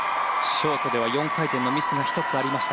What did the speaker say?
ショートでは４回転のミスが１つありました。